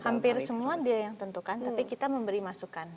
hampir semua dia yang tentukan tapi kita memberi masukan